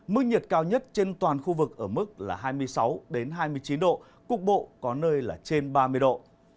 mức nhiệt cao nhất trên toàn khu vực ở mức là hai mươi sáu hai mươi chín độ cục bộ có nơi là trên ba mươi độ